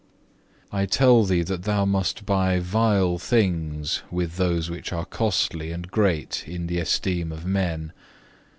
4. "I tell thee that thou must buy vile things with those which are costly and great in the esteem of men.